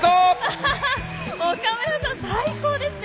岡村さん、最高ですね！